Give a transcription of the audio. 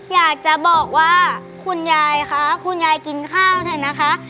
อยากจะบอกว่าคุณยายคะคุณยายกินข้าวเถอะนะคะ